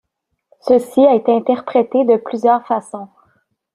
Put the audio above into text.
Ceci a été interprété de plusieurs façons.